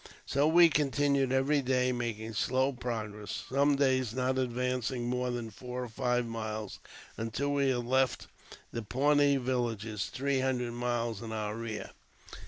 So we continued every day, making slow progress, some days not advancing more than four or five miles, until we had left the Pawnee villages three hundred miles in our rear.